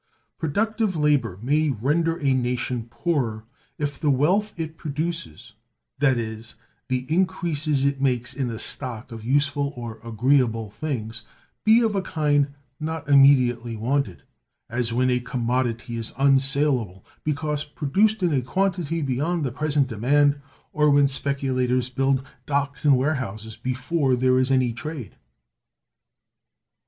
Productive labor may render a nation poorer, if the wealth it produces, that is, the increase it makes in the stock of useful or agreeable things, be of a kind not immediately wanted: as when a commodity is unsalable, because produced in a quantity beyond the present demand; or when speculators build docks and warehouses before there is any trade.